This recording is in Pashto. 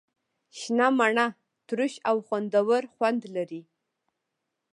شنه مڼه ترش او خوندور خوند لري.